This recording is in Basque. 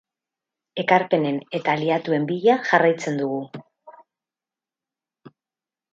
Ekarpenen eta aliatuen bila jarraitzen dugu.